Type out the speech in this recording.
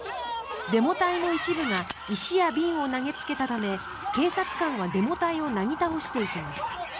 デモ隊の一部が石や瓶を投げつけたため警察官はデモ隊をなぎ倒していきます。